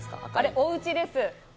おうちです。